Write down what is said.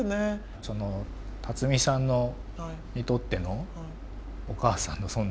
その辰巳さんにとってのお母さんの存在。